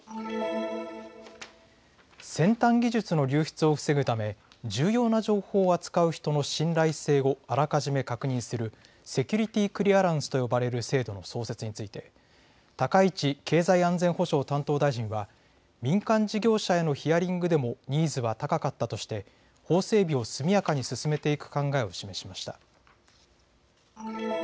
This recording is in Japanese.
先端技術の流出を防ぐため重要な情報を扱う人の信頼性をあらかじめ確認するセキュリティークリアランスと呼ばれる制度の創設について高市経済安全保障担当大臣は民間事業者へのヒアリングでもニーズは高かったとして法整備を速やかに進めていく考えを示しました。